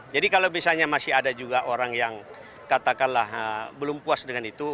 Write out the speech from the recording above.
jadi kalau misalnya masih ada juga orang yang katakanlah belum puas dengan itu